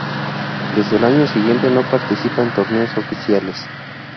Desde el año siguiente no participa en torneos oficiales.